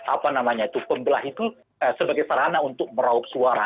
apa namanya itu pembelah itu sebagai sarana untuk meraup suara